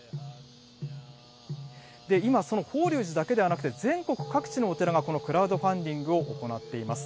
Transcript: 今、その法隆寺だけではなくて、全国各地のお寺がこのクラウドファンディングを行っています。